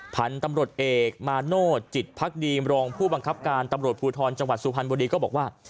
พันธุ์ตำรวจเอกมาโนธจิตภักดีมรองผู้บังคับการตำรวจภูทรจังหวัดสุพรรณบุรีก็บอกว่า